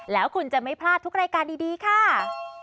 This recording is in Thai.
แล้วคุณจะไม่พลาดทุกรายการดีค่ะ